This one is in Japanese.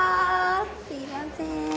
すいません